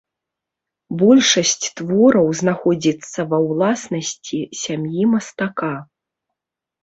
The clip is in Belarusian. Большасць твораў знаходзіцца ва ўласнасці сям'і мастака.